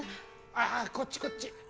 ・ああこっちこっち。